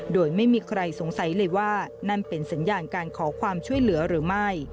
โดยไม่มีใครสงสัยเลยว่านั่นเป็นสัญญาณการขอความช่วยเหลือหรือไม่